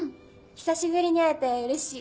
久しぶりに会えてうれしい。